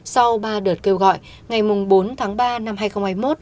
sau ba đợt kêu gọi ngày bốn tháng ba năm hai nghìn hai mươi một